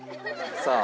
さあ。